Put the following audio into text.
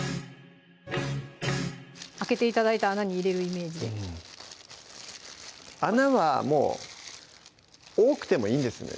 開けて頂いた穴に入れるイメージで穴はもう多くてもいいんですね